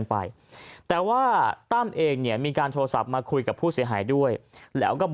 สุดท้ายตัดสินใจเดินทางไปร้องทุกข์การถูกกระทำชำระวจริงและตอนนี้ก็มีภาวะซึมเศร้าด้วยนะครับ